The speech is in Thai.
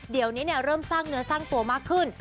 เดี๋ยวนี้เริ่มสร้างเนื้อสร้างตัวมากขึ้น